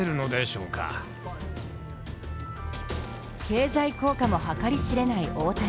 経済効果も計り知れない大谷。